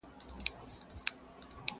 یوه ورځ په دې جرګه کي آوازه سوه!